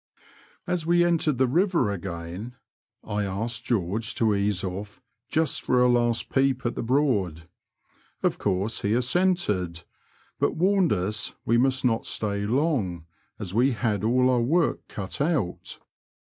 As we entered the river again, I asked George to ease off *^ just for a last peep at the Broad." Of course he assented, but warned us we must not stay long, as we had all our work cut out.